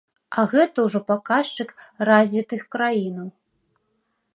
А гэта ўжо паказчык развітых краінаў.